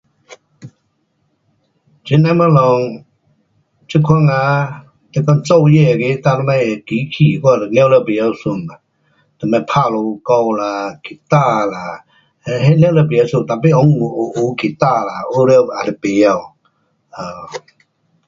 这样东西这款啊，你讲做乐那个机器我就全部甭晓玩啊。什么打龙鼓啦，什么吉他，那全部甭晓玩 tapi 温故有学吉他啦，学了还是甭晓。啊。